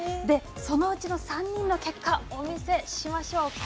そのうちの３人の結果お見せしましょう。